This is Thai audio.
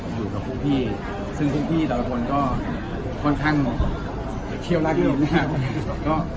อยู่กับพวกที่ซึ่งพวกที่ก็ค่อนข้างเทียบรักดีดีค่ะ